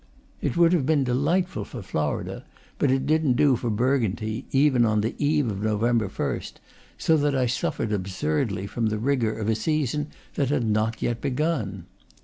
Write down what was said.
It would have been delightful for Florida, but it didn't do for Burgundy, even on the eve of November 1st, so that I suffered absurdly from the rigor of a season that had not yet begun.